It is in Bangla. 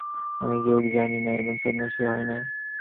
আমি যোগ জানি না এবং সন্ন্যাসীও হই নাই।